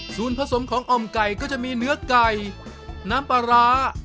ส่วนผสมของอ่อมไก่ก็จะมีเนื้อไก่น้ำปลาร้า